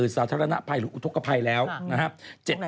สาธารณภัยหรืออุทธกภัยแล้วนะครับ